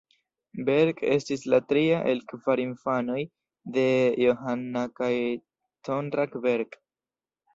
Berg estis la tria el kvar infanoj de Johanna kaj Conrad Berg.